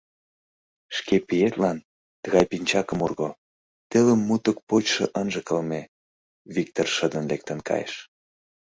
— Шке пиетлан тыгай пинчакым урго, телым мутык почшо ынже кылме, — Виктыр шыдын лектын кайыш.